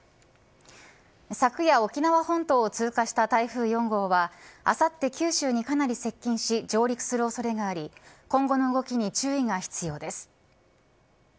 昨夜、沖縄本島を通過した台風４号はあさって九州にかなり接近し上陸する恐れがあり今後の動きに注意が必要です。